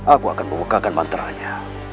aku akan membukakan mantra nya